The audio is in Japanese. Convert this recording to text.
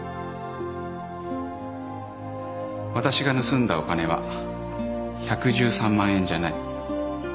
私が盗んだお金は１１３万円じゃない。